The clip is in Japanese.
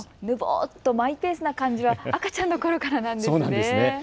ぬぼーっとマイペースな感じは赤ちゃんのころからなんですね。